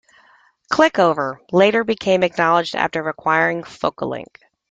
ClickOver later became Adknowledge after acquiring Focalink.